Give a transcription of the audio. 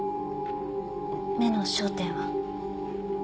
目の焦点は？